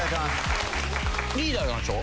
リーダーなんでしょ？